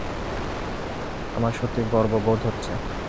আমার সত্যিই গর্ববোধ হচ্ছে।